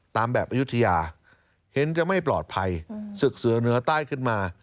ตามแบบอายุทยาเห็นจะไม่ปลอดภัยศึกเสือเหนือใต้ขึ้นมา